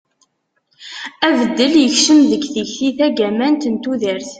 abeddel yekcem deg tikli tagamant n tudert